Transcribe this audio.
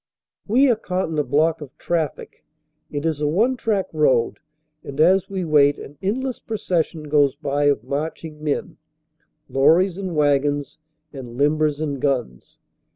We are caught in a block of traffic. It is a one track road and as we wait an endless procession goes by of marching men, lorries and wagons and limbers and guns.